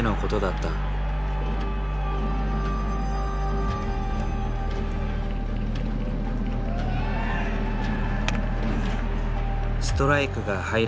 ストライクが入らない。